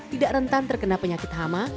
tidak rentan terkena penyakit hama